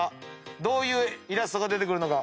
どういうイラストが出てくるのか